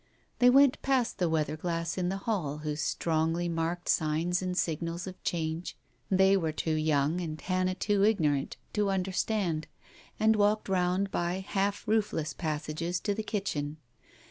They went past the weather glass in the hall, whose strongly marked signs and signals of change they were too young, and Hannah too ignorant, to understand, and walked round by half roofless passages to the kitchen.